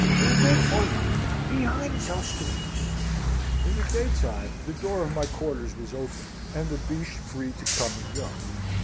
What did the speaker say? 'He wait for you behind those trees.' "In the daytime the door of my quarters was open, and the Biche free to come and go.